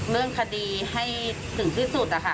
เรื่องคดีให้ถึงที่สุดนะคะ